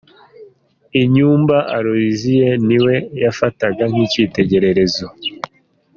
Inyumba Aloysia ni we yafataga nk’icyitegererezo.